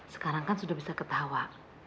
sekarang kan sudah bisa ketawa